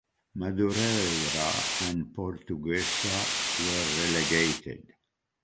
Madureira and Portuguesa were relegated.